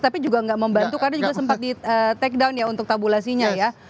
tapi juga nggak membantu karena juga sempat di take down ya untuk tabulasinya ya